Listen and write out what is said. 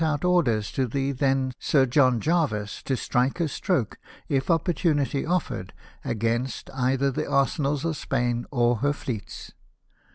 307 out orders to the then Sir John Jervis to strike a stroke, if opportunity offered, against either the arsenals of Spain or her fleets.